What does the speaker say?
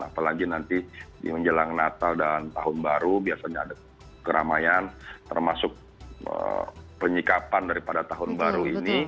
apalagi nanti di menjelang natal dan tahun baru biasanya ada keramaian termasuk penyikapan daripada tahun baru ini